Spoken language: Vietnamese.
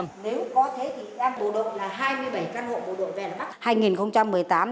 nếu có thế thì đang bộ đội là hai mươi bảy căn hộ bộ đội về là mắc